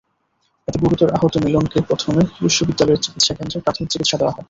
এতে গুরুতর আহত মিলনকে প্রথমে বিশ্ববিদ্যালয়ের চিকিৎসাকেন্দ্রে প্রাথমিক চিকিৎসা দেওয়া হয়।